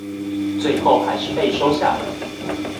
最後還是被收下了